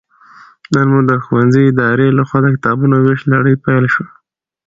نن مو د ښوونځي ادارې لخوا د کتابونو ويش لړۍ پيل شوه